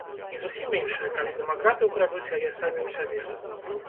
І зусім іншая, калі дэмакраты ўкрадуць яе самі ў сябе.